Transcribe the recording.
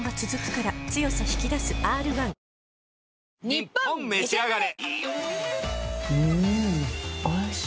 『ニッポンめしあがれ』。